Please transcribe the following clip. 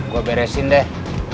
gua beresin deh